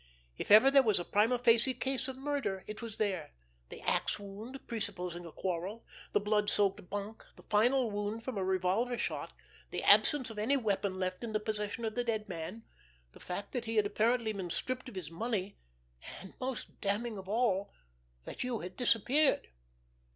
If ever there was a prima facie case of murder it was there: The axe wound, presupposing a quarrel, the blood soaked bunk, the final wound from a revolver shot, the absence of any weapon left in the possession of the dead man, the fact that he had apparently been stripped of his money, and, most damning of all, that you had disappeared.